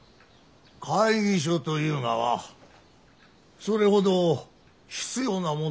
会議所というがはそれほど必要なものながか？